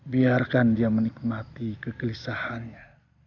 biarkan dia menikmati kegelisahannya